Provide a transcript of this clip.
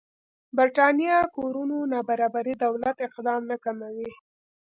برېتانيا کورونو نابرابري دولت اقدام نه کموي.